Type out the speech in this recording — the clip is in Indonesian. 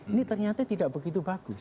ini ternyata tidak begitu bagus